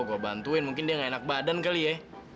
gue bantuin mungkin dia gak enak badan kali ya